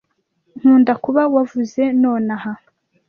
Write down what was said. "Nkunda 'kuba.' Wavuze nonaha